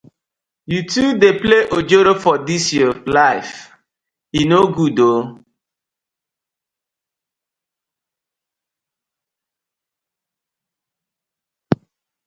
Yu too dey play ojoro for dis yu life, e no good ooo.